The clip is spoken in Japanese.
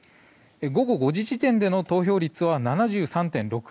午後５時時点での投票率は７３．６％。